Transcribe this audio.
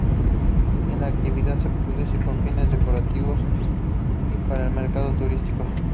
En la actualidad se produce con fines decorativos y para el mercado turístico.